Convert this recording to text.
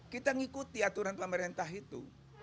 kita mengikuti aturan pemerintah itu